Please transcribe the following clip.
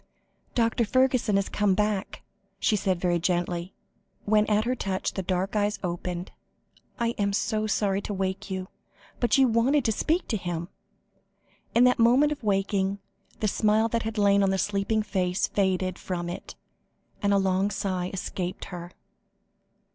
"Dr. Fergusson has come back," she said very gently, when at her touch the dark eyes opened. "I am so sorry to wake you, but you wanted to speak to him." In that moment of waking, the smile that had lain on the sleeping face faded from it, and a long sigh escaped her.